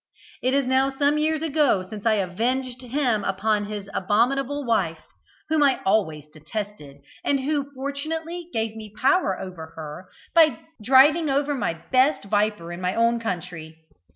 "It is now some years ago since I avenged him upon his abominable wife, whom I always detested, and who fortunately gave me power over her by driving over my best viper in my own country.